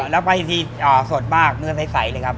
แล้วไปอีกทีสดมากเนื้อใสเลยครับ